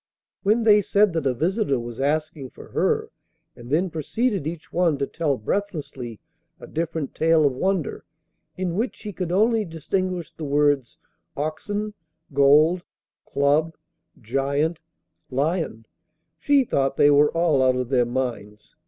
When they said that a visitor was asking for her, and then proceeded each one to tell breathlessly a different tale of wonder, in which she could only distinguish the words, 'oxen,' 'gold,' 'club,' 'giant,' 'lion,' she thought they were all out of their minds.